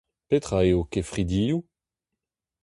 Petra eo ho kefridioù ?